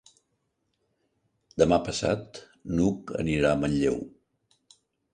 Demà passat n'Hug anirà a Manlleu.